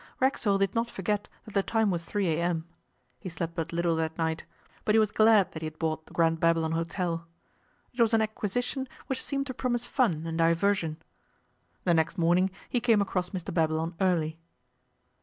Racksole did not forget that the time was 3 a.m. He slept but little that night, but he was glad that he had bought the Grand Babylon Hôtel. It was an acquisition which seemed to promise fun and diversion. The next morning he came across Mr Babylon early.